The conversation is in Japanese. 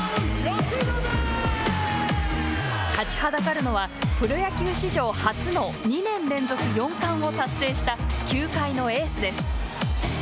立ちはだかるのはプロ野球史上初の２年連続四冠を達成した球界のエースです。